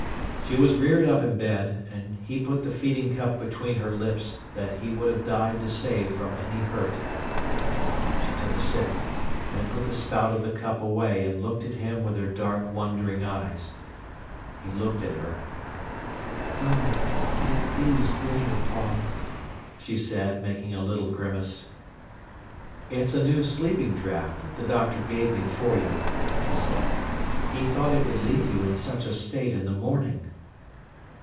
She was reared up in bed, and he put the feeding cup between her lips that he would have died to save from any hurt. She took a sip, then put the spout of the cup away and looked at him with her dark, wondering eyes. He looked at her. "Oh, it is bitter, Paul!" she said, making a little grimace. "It's a new sleeping draught the doctor gave me for you," he said. "He thought it would leave you in such a state in the morning."